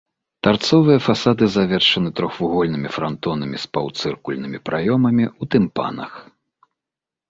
Тарцовыя фасады завершаны трохвугольнымі франтонамі з паўцыркульнымі праёмамі ў тымпанах.